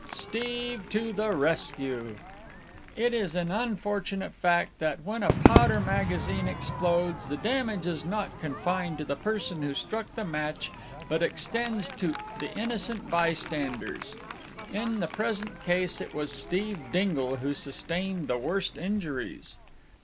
Steve to the Rescue It is an unfortunate fact that, when a powder magazine explodes, the damage is not confined to the person who struck the match, but extends to the innocent bystanders. In the present case it was Steve Dingle who sustained the worst injuries.